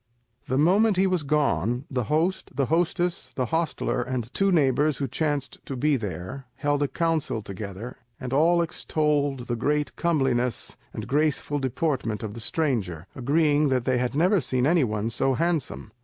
The moment he was gone, the host, the hostess, the hostler, and two neighbours who chanced to be there, held a council together, and all extolled the great comeliness and graceful deportment of the stranger, agreeing that they had never seen any one so handsome.